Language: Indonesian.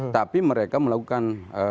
tapi mereka melakukan